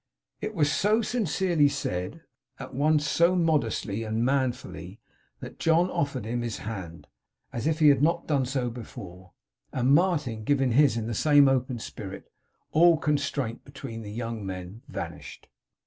It was so sincerely said, at once so modestly and manfully, that John offered him his hand as if he had not done so before; and Martin giving his in the same open spirit, all constraint between the young men vanished.